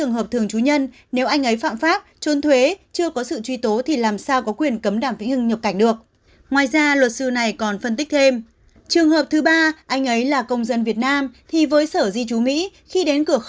ngoài ra luật sư này còn phân tích thêm